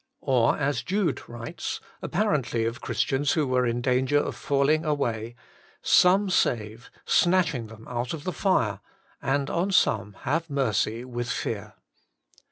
Or as Jude writes, apparently of Christians who were in danger of falling away, ' Some save, snatching them out of the fire; and on some have mercy with fear.'